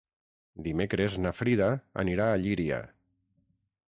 Dimecres na Frida anirà a Llíria.